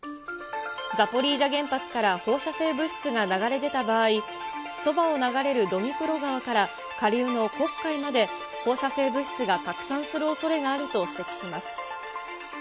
ザポリージャ原発から放射性物質が流れ出た場合、そばを流れるドニプロ川から、下流の黒海まで、放射性物質が拡散するおそれがあると指摘します。